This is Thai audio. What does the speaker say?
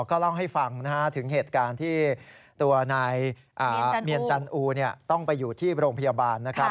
ก็เล่าให้ฟังถึงเหตุการณ์ที่ตัวนายเมียนจันอูต้องไปอยู่ที่โรงพยาบาลนะครับ